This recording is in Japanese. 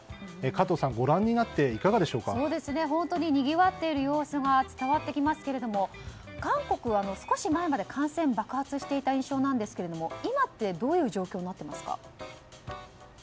加藤さん、ご覧になって本当ににぎわっている様子が伝わってきますけど韓国は少し前まで感染爆発していた印象なんですけれども今ってどういう状況になっていますか？